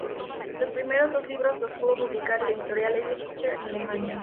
Los primeros dos libros los pudo publicar el editorial S. Fischer en Alemania.